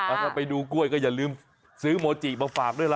ถ้าไปดูกล้วยก็อย่าลืมซื้อโมจิมาฝากด้วยล่ะ